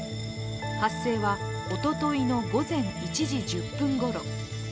発生はおとといの午前１時１０分ごろ。